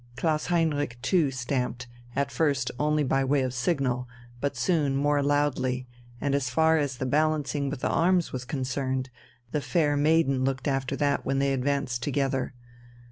Klaus Heinrich too stamped, at first only by way of signal, but soon more loudly; and as far as the balancing with the arms was concerned, the fair maiden looked after that when they advanced together.